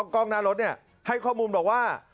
กล้องหน้ารถให้ข้อมูลบอกว่า